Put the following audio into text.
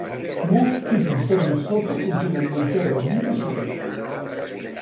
Molts tipus de risotto contenen mantega, vi i ceba.